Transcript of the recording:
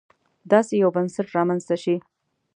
داسې یو بنسټ رامنځته شي.